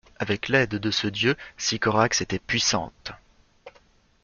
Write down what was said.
Avec l'aide de ce dieu, Sycorax était puissante.